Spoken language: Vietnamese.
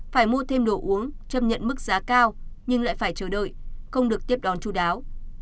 phải mua thêm đồ uống chấp nhận mức giá cao nhưng lại phải chờ đợi không được tiếp đón chú đáo